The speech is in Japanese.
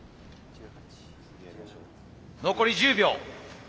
残り１０秒。